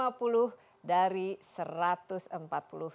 jadi ada terus kenaikan dalam peringkat bagi indonesia